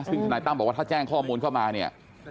ซึ่งธนายตั้มบอกว่าถ้าแจ้งข้อมูลเข้ามาเนี่ย